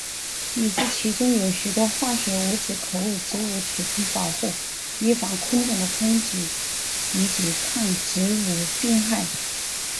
已知其中有许多化学物质可为植物提供保护以防昆虫的攻击以及抗植物病害。